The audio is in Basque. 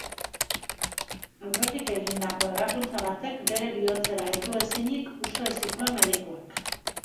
Aurretik egindako ebakuntza batek bere bihotzera heldu ezinik usten zituen medikuak.